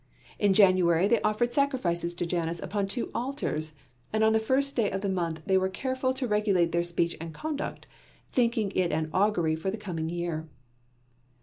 In January they offered sacrifices to Janus upon two altars, and on the first day of the month they were careful to regulate their speech and conduct, thinking it an augury for the coming year.